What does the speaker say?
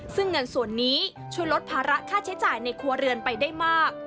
ซึ่งเงินส่วนนี้ช่วยลดภาระค่าใช้จ่ายในครัวเรือนไปได้มาก